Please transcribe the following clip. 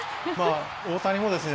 大谷もですね